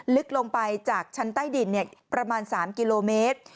ลึกลงไปจากชั้นใต้ดินประมาณ๓กิโลเมตร